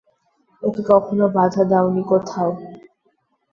ওকে কখনো বাধা দাও নি কোথাও।